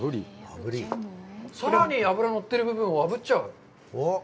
さらに脂乗ってる部分をあぶっちゃう？